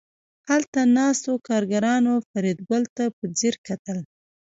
هلته ناستو کارګرانو فریدګل ته په ځیر کتل